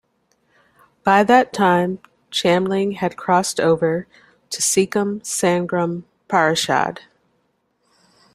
By that time Chamling had crossed over to Sikkim Sangram Parishad.